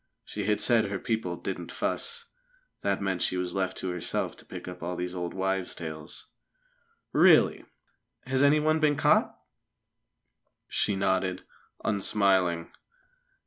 She had said her people "didn't fuss." That meant she was left to herself to pick up all these old wives' tales. "Really! Has anyone been caught?" She nodded, unsmiling.